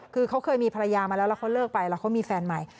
คือเขาเคยมีภรรยามาแล้วแล้วเขาเลิกไปแล้วเขามีแฟนใหม่